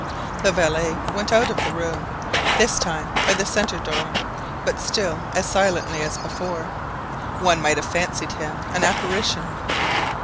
The valet went out of the room, this time by the centre door, but still as silently as before; one might have fancied him an apparition.